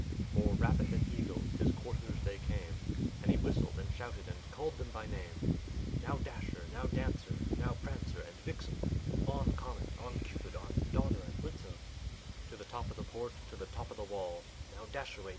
More rapid than eagles his coursers they came, And he whistled, and shouted, and called them by name: "Now, Dasher! now, Dancer! now, Prancer and Vixen! On, Comet! on, Cupid! on, Donder and Blitzen! To the top of the porch! to the top of the wall! Now dash away!